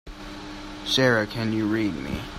Sara can you read me?